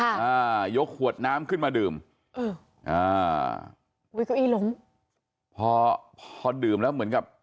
อ่ายกขวดน้ำขึ้นมาดื่มเอออ่าอุ้ยเก้าอี้ล้มพอพอดื่มแล้วเหมือนกับ